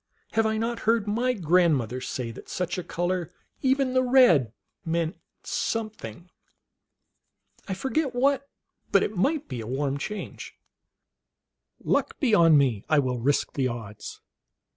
Have I not heard my grandmother say that such a color, even the red, meant something ? I forget what, but it might be a warm change. Luck be 011 me, I will risk the odds."